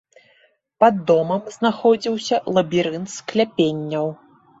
Пад домам знаходзіўся лабірынт скляпенняў.